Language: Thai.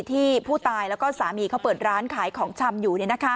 ที่ผู้ตายแล้วก็สามีเขาเปิดร้านขายของชำอยู่